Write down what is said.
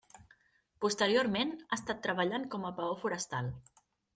Posteriorment, ha estat treballant com a peó forestal.